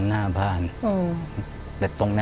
ช่วยด้วย